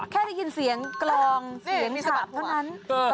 แค่ได้ยินเสียงกลองเสียงสับเท่านั้น